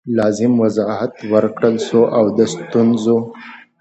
لازم وضاحت ورکړل سو او د ستونزو